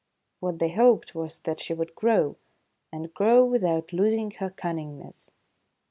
What they hoped was that she would grow, and grow without losing her cunningness.